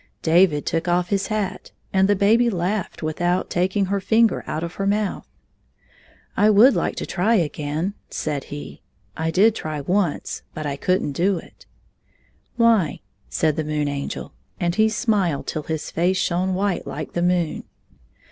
David took off his hat, and the baby laughed without taking her finger out of her mouth. " I would like to try again," said he ; "I did try once, but I could n't do it." " Why 1 " said the Moon Angel, and he smiled till his face shone white like the moon.